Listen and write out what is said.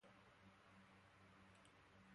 Ez da inolaz ere halakorik.